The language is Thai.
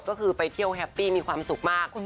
ก็คือไปเที่ยวแฮปปี้มีความสุขมาก